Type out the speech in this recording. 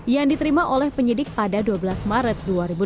yang diterima oleh penyidik pada dua belas maret dua ribu enam belas